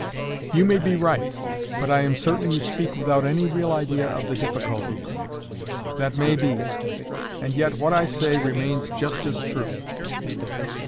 "You may be right. But I am certain you speak without any real idea of the difficulty." "That may be. And yet what I say remains just as true."